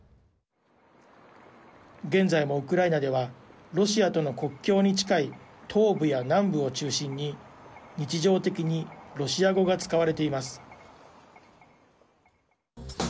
現在もウクライナではロシアとの国境に近い東部や南部を中心に日常的にロシア語が使われています。